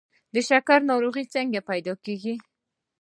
د شکر ناروغي څنګه پیدا کیږي؟